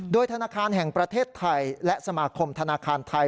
โดยธนาคารแห่งประเทศไทยและสมาคมธนาคารไทย